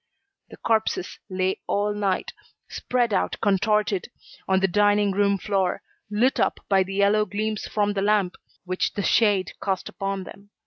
The corpses lay all night, spread out contorted, on the dining room floor, lit up by the yellow gleams from the lamp, which the shade cast upon them.